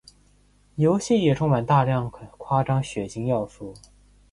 游戏也充满大量的夸张血腥要素。